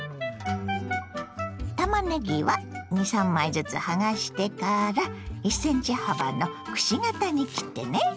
たまねぎは２３枚ずつ剥がしてから１ｃｍ幅のくし形に切ってね。